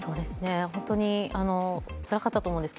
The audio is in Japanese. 本当につらかったと思うんです。